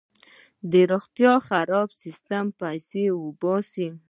د روغتیا خراب سیستم پیسې وباسي.